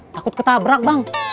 takut ketabrak bang